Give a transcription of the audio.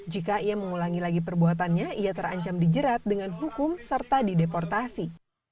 jika ia mengulangi lagi perbuatannya ia terancam dijerat dengan hukum serta dideportasi